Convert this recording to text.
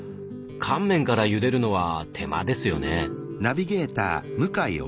乾麺からゆでるのは手間ですよね。